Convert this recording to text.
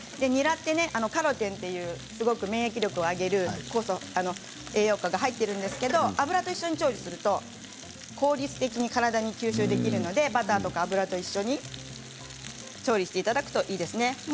にらはカロテンという免疫力を上げる酵素栄養価が入っているんですけど油と一緒に調理をすると効率的に体に吸収できるのでバターと油と一緒に調理していただくといいですね。